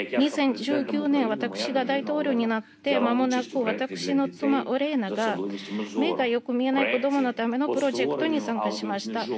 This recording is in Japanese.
２０１９年、私が大統領になってまもなく私の妻が目がよく見えない子供のためのプロジェクトに参加しました。